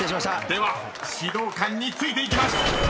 ［では指導官についていきます］